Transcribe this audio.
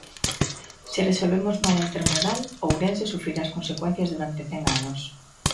Se resolvemos mal a intermodal, Ourense sufrirá as consecuencias durante cen anos.